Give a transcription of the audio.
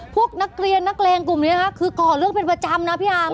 พวกนักเรียนนักเลงกลุ่มนี้นะคะคือก่อเรื่องเป็นประจำนะพี่อาร์ม